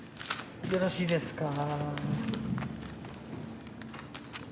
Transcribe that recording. よろしいですか？